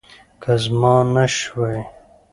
که زما نه شوی